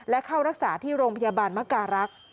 และเข้ารักษาที่โรงพยาบาลมการรักษ์